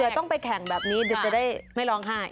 เดี๋ยวต้องไปแข่งแบบนี้เดี๋ยวจะได้ไม่ร้องไห้